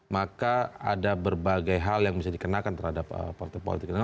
maka ada berbagai hal yang bisa dikenakan terhadap partai politik